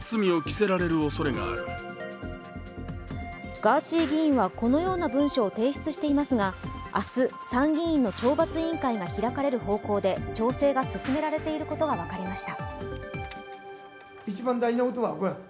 ガーシー議員は、このような文書を提出していますが明日、参議院の懲罰委員会が開かれる方向で調整が進められていることが分かりました。